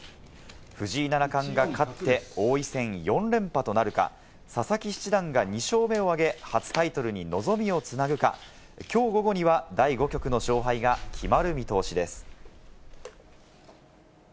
藤井七冠が勝って王位戦４連覇となるか、佐々木七段が２勝目を挙げ、初タイトルにのぞみをつなぐか、きょう午後には第５局の勝敗が決まる見通しです。